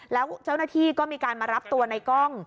แล้วเจ้าหน้าที่ก็มีการมารับตัวในกล้อง